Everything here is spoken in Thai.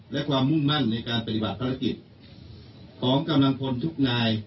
และความมุ่งมั่นในการปฏิบัติภารกิจของกำลังพลทุกนาย